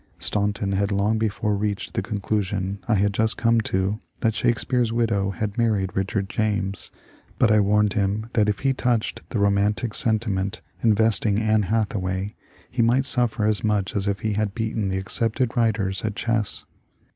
Staunton had long before reached the conclusion I had just come to that Shakespeare's widow had married Richard James, but I warned him that if he touched the romantic sentiment invest 10 MONCURE DANIEL CONWAY ing Ann Hathaway he might suffer as much as if he had beaten the accepted writers at chess.